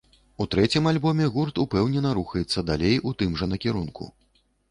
У трэцім альбоме гурт упэўнена рухаецца далей у тым жа накірунку.